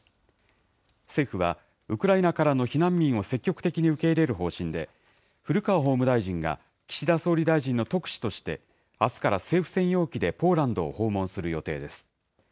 政府は、ウクライナからの避難民を積極的に受け入れる方針で、古川法務大臣が岸田総理大臣の特使として、あすから政府専用機でポーランドを訪問する予定です。